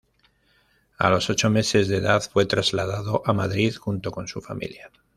A los ocho meses de edad fue trasladado a Madrid junto con su familia.